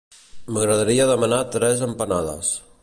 M'agradaria demanar tres empanades.